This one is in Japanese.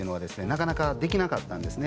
なかなかできなかったんですね。